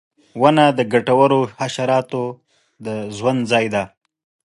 • ونه د ګټورو حشراتو د ژوند ځای دی.